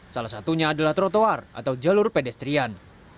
salah satunya adalah trotoar atau jalur pedestrian